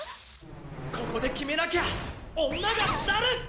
ここで決めなきゃ女がすたる！